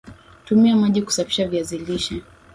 Tumia maji kusafisha viazi lishe